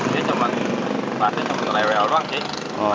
dia cuma pasti cuma rewel banget sih